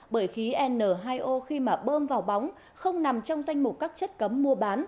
bởi khí n hai o khi mà bơm vào bóng không nằm trong danh mục các chất cấm mua bán